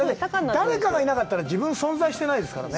誰かがいなかったら、自分は存在していないからね。